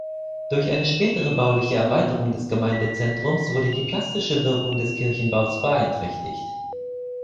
Durch eine spätere bauliche Erweiterung des Gemeindezentrums wurde die plastische Wirkung des Kirchenbaus beeinträchtigt.